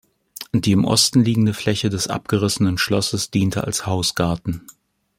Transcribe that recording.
Die im Osten liegende Fläche des abgerissenen Schlosses diente als Hausgarten.